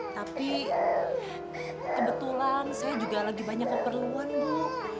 tapi kebetulan saya juga lagi banyak keperluan bu